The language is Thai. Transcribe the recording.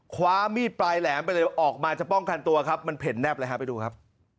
คว้ามีดปลายแหลมไปเลยออกมาจะป้องกันตัวครับมันเห็นแนบเลยฮะไปดูครับ